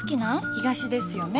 東ですよね？